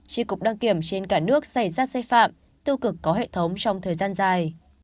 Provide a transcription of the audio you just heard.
chỉ cục đăng kiểm trên cả nước xây dắt xây phạm tư cực có hệ thống trong thời gian dài